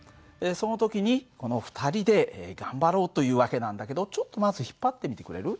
その時にこの２人で頑張ろうという訳なんだけどちょっとまず引っ張ってみてくれる？